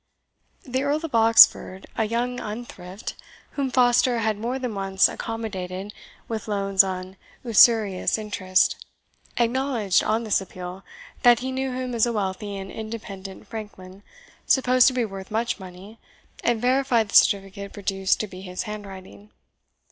The Earl of Oxford, a young unthrift, whom Foster had more than once accommodated with loans on usurious interest, acknowledged, on this appeal, that he knew him as a wealthy and independent franklin, supposed to be worth much money, and verified the certificate produced to be his handwriting.